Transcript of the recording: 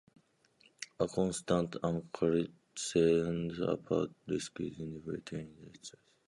A contestant unconcerned about risk is indifferent between these choices.